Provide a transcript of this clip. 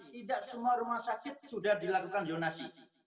tidak semua rumah sakit sudah dilakukan zonasi